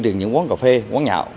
những quán cà phê quán nhạo